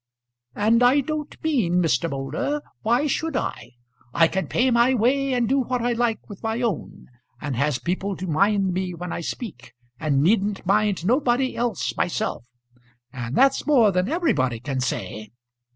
"And I don't mean, Mr. Moulder. Why should I? I can pay my way, and do what I like with my own, and has people to mind me when I speak, and needn't mind nobody else myself; and that's more than everybody can say.